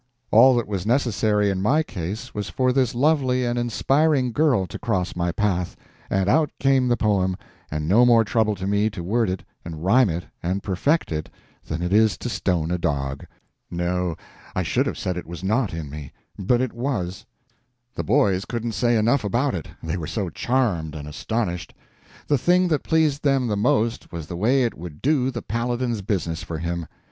All that was necessary in my case was for this lovely and inspiring girl to cross my path, and out came the poem, and no more trouble to me to word it and rhyme it and perfect it than it is to stone a dog. No, I should have said it was not in me; but it was. The boys couldn't say enough about it, they were so charmed and astonished. The thing that pleased them the most was the way it would do the Paladin's business for him.